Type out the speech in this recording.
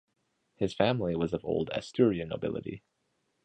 His family was of old Asturian nobility.